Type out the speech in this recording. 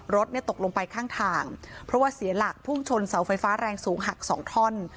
รถเนี่ยตกลงไปข้างทางเพราะว่าเสียหลักพุ่งชนเสาไฟฟ้าแรงสูงหักสองท่อน